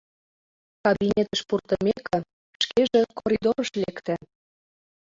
Кабинетыш пуртымеке, шкеже коридорыш лекте.